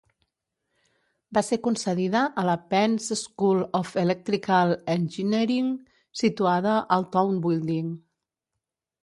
Va ser concedida a la Penn's School of Electrical Engineering, situada al Towne Building.